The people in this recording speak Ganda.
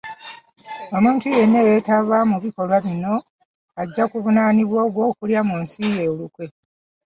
Omuntu yenna eyeetaba mu bikolwa bino, ajja kuvunaanibwa ogw'okulya mu nsi olukwe.